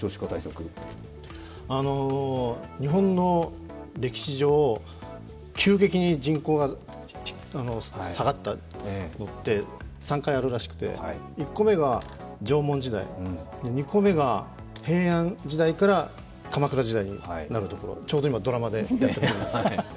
日本の歴史上、急激に人口が下がったのって３回あるらしくて、１個目が縄文時代、２個目が、平安時代から鎌倉時代になるところ、ちょうど今、ドラマでやっているところですね。